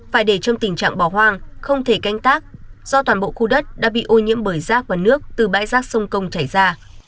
phải để trong tình trạng bỏ hoang không thể canh tác do toàn bộ khu đất đã bị ô nhiễm bởi rác và nước từ bãi rác sông công chảy ra